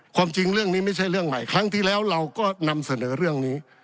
ความจริงเรื่องนี้ไม่ใช่เรื่องใหม่ครั้งที่แล้วเราก็นำเสนอเรื่องนี้